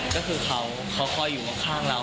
ก็คือเขาคอยอยู่ข้างเรา